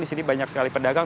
di sini banyak sekali pedagang